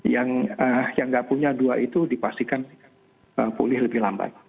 yang nggak punya dua itu dipastikan pulih lebih lambat